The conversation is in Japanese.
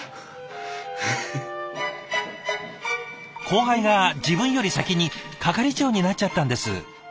後輩が自分より先に係長になっちゃったんです。